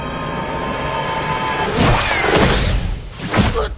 うっ！